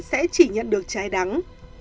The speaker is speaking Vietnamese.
sẽ chỉ nhận được trái đắng